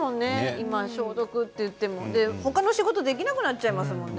今、消毒といってもほかの仕事ができなくなっちゃいますよね